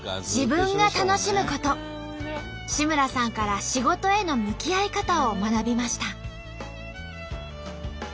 志村さんから仕事への向き合い方を学びました。